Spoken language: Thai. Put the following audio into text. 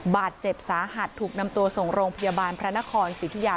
บาดเจ็บสาหัสถูกนำตัวส่งโรงพยาบาลพระนครสิทธิยา